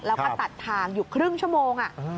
แล้วก็ตัดทางอยู่ครึ่งชั่วโมง